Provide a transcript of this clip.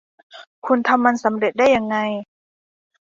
คุณทำมันสำเร็จได้ยังไง